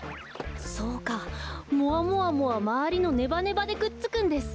そうかもわもわもはまわりのネバネバでくっつくんです。